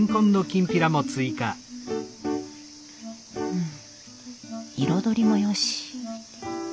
うん彩りもよし。